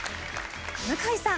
向井さん。